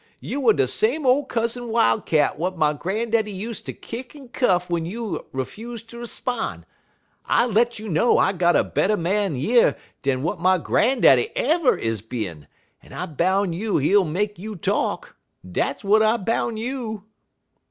Youer de same ole Cousin Wildcat w'at my gran'daddy use ter kick en cuff w'en you 'fuse ter 'spon'. I let you know I got a better man yer dan w'at my gran'daddy ever is bin, en I boun' you he ull make you talk. Dat w'at I boun' you.'